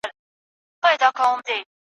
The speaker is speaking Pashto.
د ړندو په ښار کي وېش دی چي دا چور دی